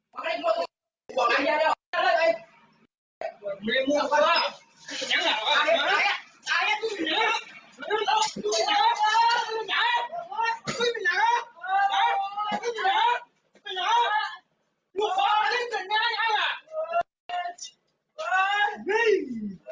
โทษจริง